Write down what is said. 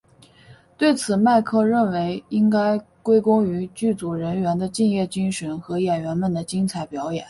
对此麦克认为应该归功于剧组人员的敬业精神和演员们的精彩表演。